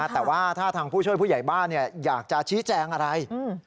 แต่ว่าถ้าทางผู้ช่วยผู้ใหญ่บ้านอยากจะชี้แจงอะไร